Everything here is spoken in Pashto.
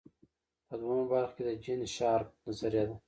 په دویمه برخه کې د جین شارپ نظریه ده.